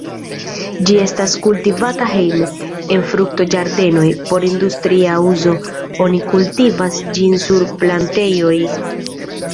Ĝi estas kultivata hejme, en fruktoĝardenoj, por industria uzo oni kultivas ĝin sur plantejoj.